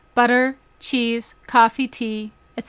BUTTER, CHEESE, COFFEE, TEA, &c.